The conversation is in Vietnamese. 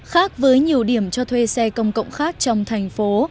khác với nhiều điểm cho thuê xe công cộng khác trong thành phố